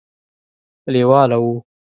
لېواله وو.